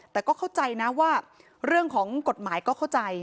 แต่ก็เข้าใจนะว่าเรื่องของกฎหมายก็เข้าใจ